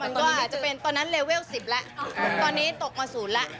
มันก็อาจจะเป็นตอนนั้นเลเวล๑๐แล้วตอนนี้ตกมาศูนย์แล้ว